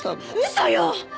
嘘よ！